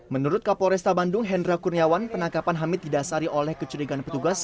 menurut kapolresta bandung hendra kurniawan penangkapan hamid didasari oleh kecurigaan petugas